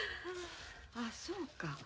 あそうか。